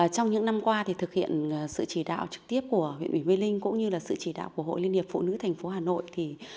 trong những năm qua thực hiện sự chỉ đạo trực tiếp của huyện huyện mê linh cũng như sự chỉ đạo của hội liên hiệp phụ nữ thành phố hà nội